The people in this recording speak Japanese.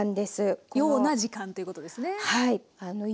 ような時間ということですね。